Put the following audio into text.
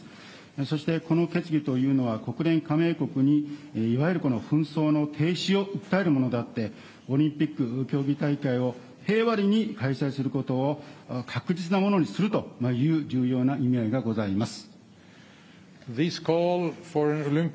そして、この決議というのは、国連加盟国にいわゆる紛争の停止を訴えるものであって、オリンピック競技大会を平和裏に開催することを確実なものにするという重要な意味合いがございます。